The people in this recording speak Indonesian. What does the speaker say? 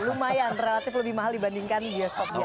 lumayan relatif lebih mahal dibandingkan bioskop biasa